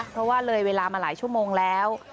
เพราะว่าเลยเวลามาหลายชั่วโมงแล้ว